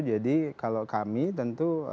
jadi kalau kami tentu